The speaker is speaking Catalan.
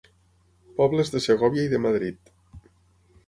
Pobles de Segòvia i de Madrid.